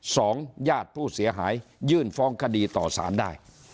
ญาติผู้เสียหายยื่นฟ้องคดีต่อสารได้